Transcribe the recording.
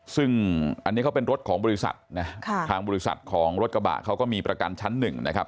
ซึ่งอันนี้เขาเป็นรถของบริษัทนะทางบริษัทของรถกระบะเขาก็มีประกันชั้นหนึ่งนะครับ